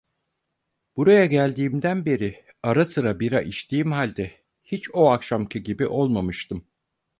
Buraya geldiğimden beri ara sıra bira içtiğim halde hiç o akşamki gibi olmamıştım.